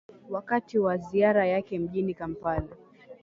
wakati wa ziara yake mjini kampala